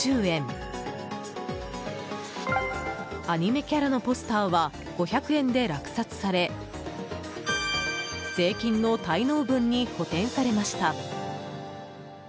アニメキャラのポスターは５００円で落札され税金の滞納分に補填されました。